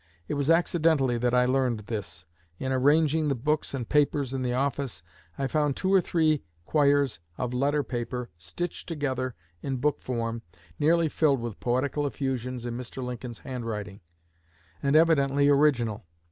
It was accidentally that I learned this. In arranging the books and papers in the office, I found two or three quires of letter paper stitched together in book form, nearly filled with poetical effusions in Mr. Lincoln's handwriting, and evidently original.